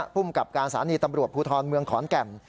ภูมิกับการสารณีตำรวจผู้ทอนเมืองขอนแก่ม